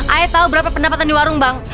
ayo tahu berapa pendapatan di warung bang